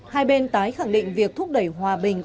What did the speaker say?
hai bên tái khẳng định việc thúc đẩy hòa bình